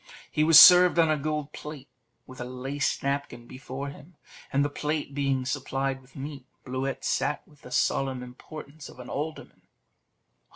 He was served on a gold plate, with a laced napkin before him; and the plate being supplied with meat, Bluet sat with the solemn importance of an alderman.